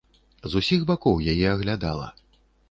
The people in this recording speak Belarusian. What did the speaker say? З усіх бакоў яе аглядала.